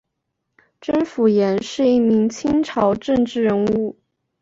甄辅廷是一名清朝政治人物。